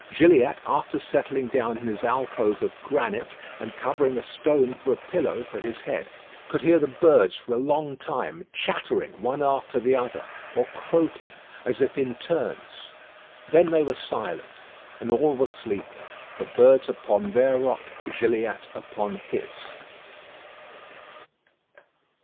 Gilliatt, after settling down in his alcove of granite, and covering a stone for a pillow for his head, could hear the birds for a long time chattering one after the other, or croaking, as if in turns. Then they were silent, and all were sleeping the birds upon their rock, Gilliatt upon his.